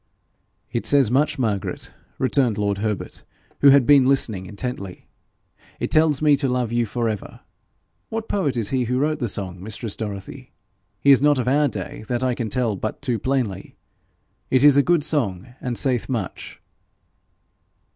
'It says much, Margaret,' returned lord Herbert, who had been listening intently; 'it tells me to love you for ever. What poet is he who wrote the song, mistress Dorothy? He is not of our day that I can tell but too plainly. It is a good song, and saith much.'